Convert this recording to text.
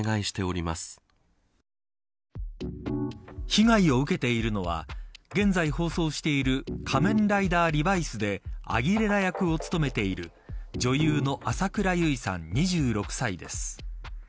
被害を受けているのは現在放送している仮面ライダーリバイスでアギレラ役を務めている女優の浅倉唯さん、２６歳です。